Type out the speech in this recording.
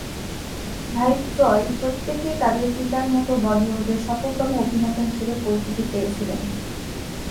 ভাইত্রয় প্রত্যেকেই তাদের পিতার মতো বলিউডে সফলতম অভিনেতা হিসেবে পরিচিতি পেয়েছিলেন।